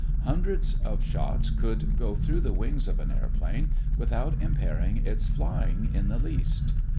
Hundreds of shots could go through the wings of an airplane without impairing its flying in the least.